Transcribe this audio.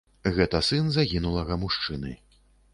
Гэта сын загінулага мужчыны.